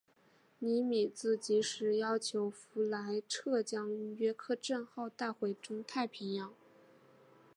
尼米兹即时要求弗莱彻将约克镇号带回中太平洋。